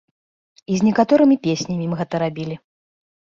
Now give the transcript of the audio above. І з некаторымі песнямі мы гэта рабілі.